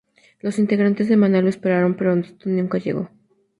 Los integrantes de Manal lo esperaron, pero este nunca llegó.